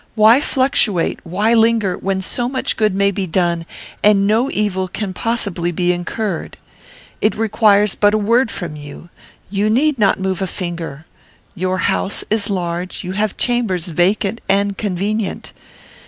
Why fluctuate, why linger, when so much good may be done, and no evil can possibly be incurred? It requires but a word from you; you need not move a finger. Your house is large. You have chambers vacant and convenient.